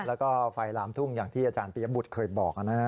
แล้วก็ไฟหลามทุ่งอย่างที่อาจารย์ปียบุตรเคยบอกนะฮะ